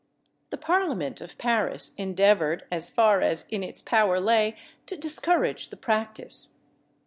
The parliament of Paris endeavoured, as far as in its power lay, to discourage the practice.